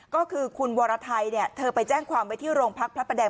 ก็คือคุณวรไทยเธอไปแจ้งความไว้ที่โรงพักพระประแดง